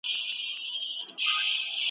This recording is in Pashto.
له سر تر نوکه بس ګلدسته یې `